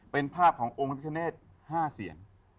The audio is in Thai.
เป็นภาพขององค์พิการ์เนส๕เสียง